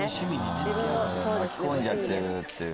巻き込んじゃってる。